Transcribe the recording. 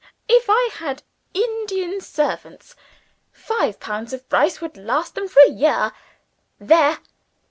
If I had Indian servants, five pounds of rice would last them for a year. There!